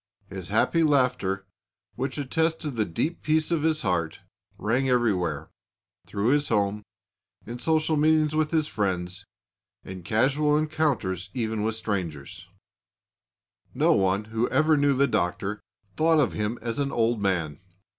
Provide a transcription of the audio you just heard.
His happy laughter, which attested the deep peace of his heart, rang everywhere, through his home, in social meetings with his friends, in casual encounters even with strangers. [Illustration: DR. AND MRS. T. DE WITT TALMAGE.] No one who ever knew the Doctor thought of him as an old man.